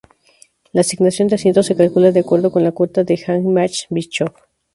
La asignación de asientos se calcula de acuerdo con la cuota de Hagenbach-Bischoff.